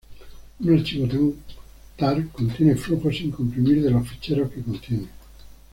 Un archivo tar contiene flujos sin comprimir de los ficheros que contiene.